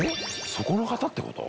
そこの方ってこと？